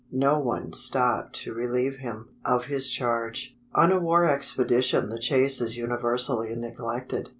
No one stopped to relieve him, of his charge. On a war expedition the chase is universally neglected.